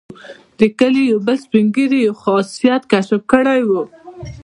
د کلي یو بل سپین ږیري یو خاصیت کشف کړی وو.